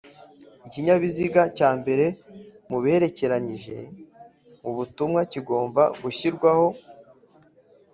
Ikinyabiziga cya mbere mu biherekeranyije mu butumwa kigomba gushyirwaho